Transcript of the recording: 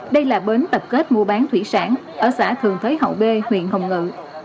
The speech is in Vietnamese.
đây là bến tập kết mua bán thủy sản ở xã thường thới hậu b huyện hồng ngự